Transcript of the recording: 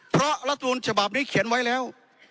เพราะรัฐมนูลฉบับนี้เขียนไว้แล้ว